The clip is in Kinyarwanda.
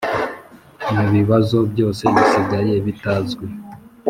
mubibazo byose bisigaye bitazwi,